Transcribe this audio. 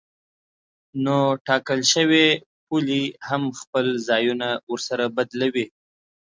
نو ټاکل شوې پولې هم خپل ځایونه ورسره بدلوي.